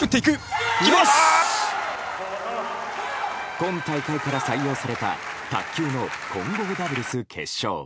今大会から採用された卓球の混合ダブルス決勝。